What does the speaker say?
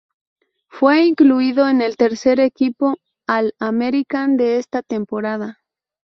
Fue incluido en el tercer equipo All-American de esa temporada.